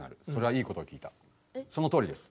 そのとおりです。